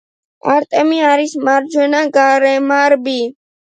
არტემი არის მარჯვენა გარემარბი.